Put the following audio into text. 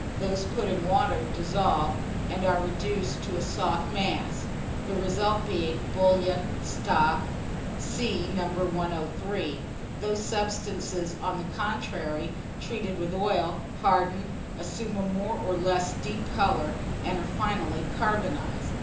Those put in water, dissolve, and are reduced to a soft mass; the result being bouillon, stock, &c. (see No. 103). Those substances, on the contrary, treated with oil, harden, assume a more or less deep colour, and are finally carbonized.